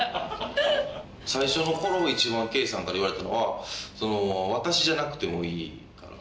最初の頃一番ケイさんから言われたのは「私じゃなくてもいいから」。